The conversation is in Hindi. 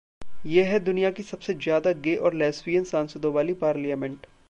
ये है दुनिया की सबसे ज्यादा गे और लेस्बियन सांसदों वाली पार्लियामेंट